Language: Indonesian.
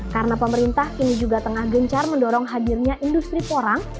karena pemerintah kini juga tengah gencar mendorong hadirnya industri porang